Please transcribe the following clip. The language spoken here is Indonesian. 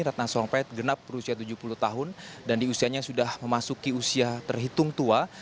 ratang sarumpait genap berusia tujuh puluh tahun dan diusianya sudah memasuki usia terhitung tua